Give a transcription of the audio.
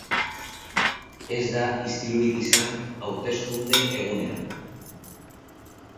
Ez da istilurik izan hauteskunde-egunean.